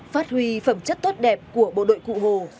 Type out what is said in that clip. phát huy phẩm chất tốt đẹp của bộ đội cụ hồ